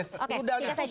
sebentar bicara teknis